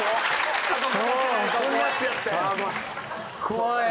怖い。